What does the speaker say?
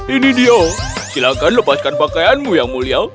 ini dia silahkan lepaskan pakaianmu yang mulya